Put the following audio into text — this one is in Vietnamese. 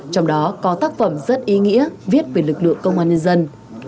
trong đó có tác phẩm rất ý nghĩa viết về lực lượng công an nhân dân